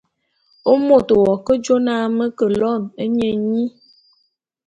Môt w'ake jô na me ke loene nye nyi.